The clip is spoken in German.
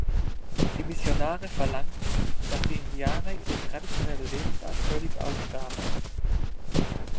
Die Missionare verlangten, dass die Indianer ihre traditionelle Lebensart völlig aufgaben.